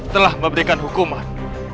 telah memberikan hukuman